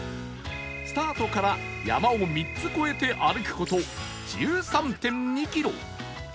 スタートから山を３つ越えて歩く事 １３．２ キロ